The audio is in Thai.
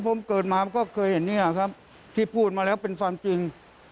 ผมเกิดมามันก็เคยเห็นเนี่ยครับที่พูดมาแล้วเป็นความจริง